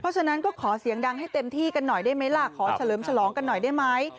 เพราะฉะนั้นก็ขอเสียงดังให้เต็มที่กันหน่อยได้ไหมล่ะขอเฉลิมฉลองกันหน่อยได้ไหม